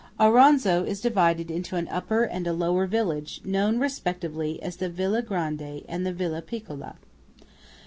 Auronzo is divided into an upper and a lower village, known respectively as the Villa Grande and the Villa Piccola.